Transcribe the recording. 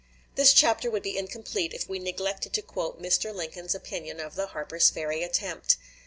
This chapter would be incomplete if we neglected to quote Mr. Lincoln's opinion of the Harper's Ferry attempt.